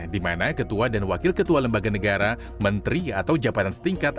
di mana ketua dan wakil ketua lembaga negara menteri atau jabatan setingkat